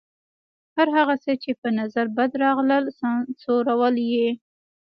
هر هغه څه چې په نظر بد راغلل سانسورول یې.